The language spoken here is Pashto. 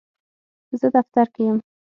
زه دفتر کې یم.